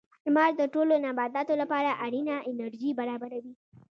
• لمر د ټولو نباتاتو لپاره اړینه انرژي برابروي.